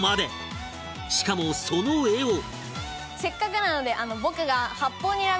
しかもその絵をええー！